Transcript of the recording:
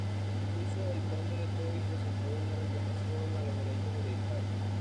Incluso el conde de Foix presentó una reclamación a los derechos hereditarios.